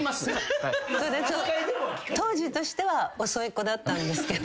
当時としては遅い子だったんですけど。